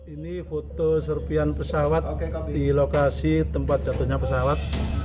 ini foto serpian pesawat di lokasi tempat jatuhnya pesawat